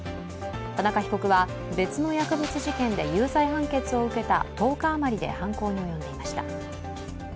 田中被告は別の薬物事件で有罪判決を受けた１０日余りで犯行に及んでいました。